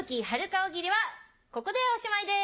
大喜利はここでおしまいです。